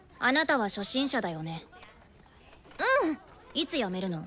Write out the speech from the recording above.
いつ辞めるの？